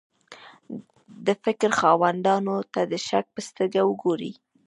د فکر خاوندانو ته د شک په سترګه وګوري.